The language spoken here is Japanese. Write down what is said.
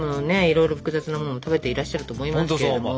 いろいろ複雑なものを食べていらっしゃると思いますけども。